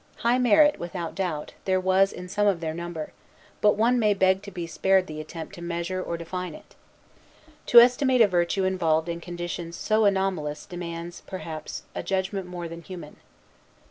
High merit, without doubt, there was in some of their number; but one may beg to be spared the attempt to measure or define it. To estimate a virtue involved in conditions so anomalous demands, perhaps, a judgment more than human.